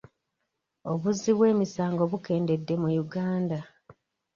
Obuzzi bw'emisango bukendedde mu Uganda.